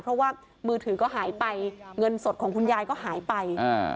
เพราะว่ามือถือก็หายไปเงินสดของคุณยายก็หายไป